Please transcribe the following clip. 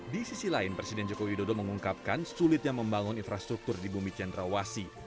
di sisi lain presiden jokowi dodo mengungkapkan sulitnya membangun infrastruktur di bumi cianrawasi